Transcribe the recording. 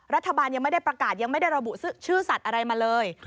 รัฐบาลยังไม่ได้ประกาศยังไม่ได้ระบุชื่อสัตว์อะไรมาเลย